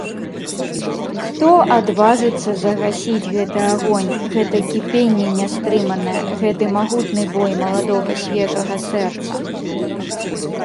Хто адважыцца загасіць гэты агонь, гэта кіпенне нястрыманае, гэты магутны бой маладога свежага сэрца!